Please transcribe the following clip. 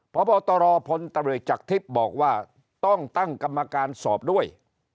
พบพลธจักทฤษย์บอกว่าต้องตั้งกรรมการสอบด้วย